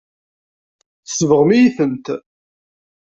Tsebɣem-iyi-tent.